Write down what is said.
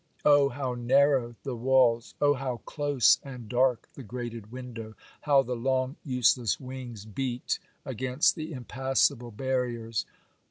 Oh, how narrow the walls! oh, how close and dark the grated window! how the long useless wings beat against the impassable barriers!